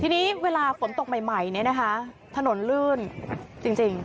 ทีนี้เวลาฝนตกใหม่เนี่ยนะคะถนนลื่นจริง